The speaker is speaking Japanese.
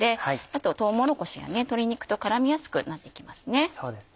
あととうもろこしや鶏肉と絡みやすくなって来ますね。